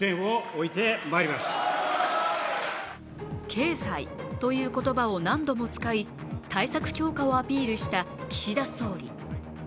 経済という言葉を何度も使い対策強化をアピールした岸田総理。